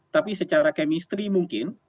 tapi secara kemistri mungkin